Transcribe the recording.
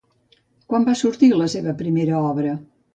Quan va sortir la seva primera obra?